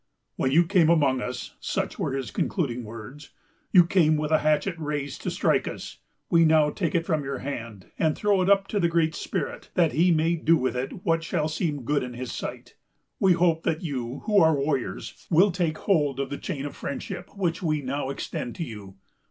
"When you came among us," such were his concluding words, "you came with a hatchet raised to strike us. We now take it from your hand, and throw it up to the Great Spirit, that he may do with it what shall seem good in his sight. We hope that you, who are warriors, will take hold of the chain of friendship which we now extend to you.